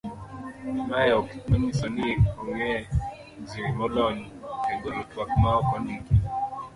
mae ok onyiso ni ong'e ji molony e golo twak ma ok ondiko